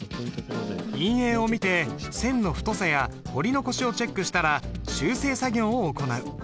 印影を見て線の太さや彫り残しをチェックしたら修正作業を行う。